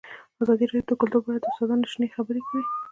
ازادي راډیو د کلتور په اړه د استادانو شننې خپرې کړي.